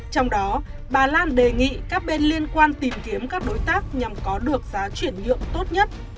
trong đó bà lan đề nghị các bên liên quan tìm kiếm các đối tác nhằm có được giá chuyển nhượng tốt nhất